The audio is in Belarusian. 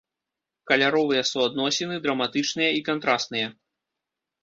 Каляровыя суадносіны драматычныя і кантрасныя.